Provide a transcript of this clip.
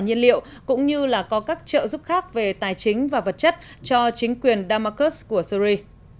nhiên liệu cũng như là có các trợ giúp khác về tài chính và vật chất cho chính quyền damascus của syri